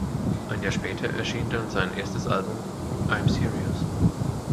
Ein Jahr später erschien dann sein erstes Album "I'm Serious".